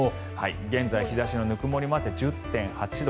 現在、日差しのぬくもりもあって１０．８度。